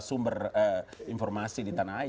sumber informasi di tanah air